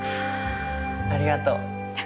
ありがとう。